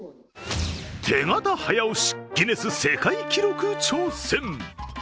手形早押しギネス世界記録挑戦。